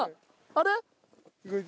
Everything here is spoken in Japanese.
あれ？